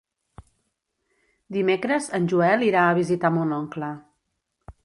Dimecres en Joel irà a visitar mon oncle.